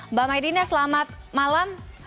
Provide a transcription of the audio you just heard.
mbak maidina selamat malam